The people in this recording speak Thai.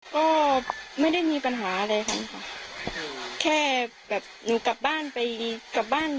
เธอก็อยากอยู่ด้วยกัน